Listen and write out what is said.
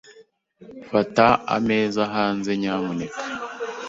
Fata ameza hanze, nyamuneka.